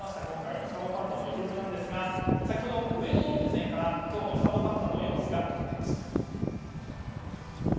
今回の双子パンダのお披露目なんですが先ほど上野動物園から今日の双子パンダの様子が届きました。